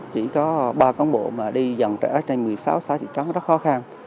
chỉ có ba công bộ mà đi dòng trẻ ở trên một mươi sáu xã thị trấn rất khó khăn